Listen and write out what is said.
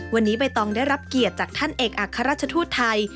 วันนี้ใบตองได้รับเกียรติจากท่านเอกอัครราชทูตไทย